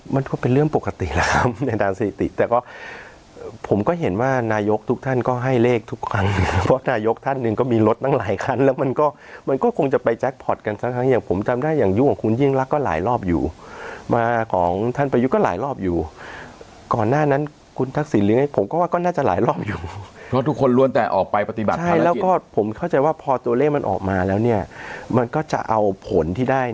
มันก็เป็นเรื่องปกติแหละครับในฐานสถิติแต่ว่าผมก็เห็นว่านายกทุกท่านก็ให้เลขทุกครั้งเพราะนายกท่านหนึ่งก็มีรถตั้งหลายคันแล้วมันก็มันก็คงจะไปแจ็คพอร์ตกันสักครั้งอย่างผมจำได้อย่างยุคของคุณยิ่งรักก็หลายรอบอยู่มาของท่านประยุกต์ก็หลายรอบอยู่ก่อนหน้านั้นคุณทักษิณหรือไงผมก็ว่าก็น